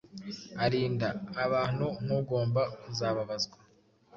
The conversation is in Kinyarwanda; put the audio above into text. Arinda abantu nk’ugomba kuzababazwa.